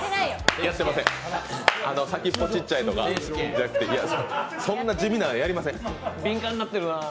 やってません、先っぽちっちゃいとか、そんな地味なのやりません。